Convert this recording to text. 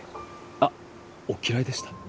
あっお嫌いでした？